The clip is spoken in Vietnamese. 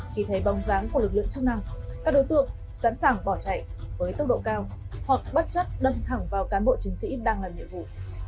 khi thấy bóng dáng của lực lượng chức năng các đối tượng sẵn sàng bỏ chạy với tốc độ cao hoặc bất chấp đâm thẳng vào cán bộ chiến sĩ đang làm nhiệm vụ